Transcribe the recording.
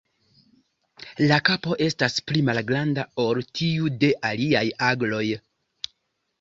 La kapo estas pli malgranda ol tiu de aliaj agloj.